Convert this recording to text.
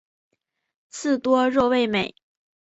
刺多肉味美。